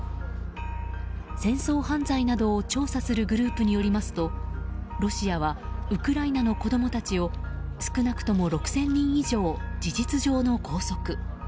戦争犯罪などを調査するグループによりますとロシアはウクライナの子供たちを少なくとも６０００人以上事実上の拘束。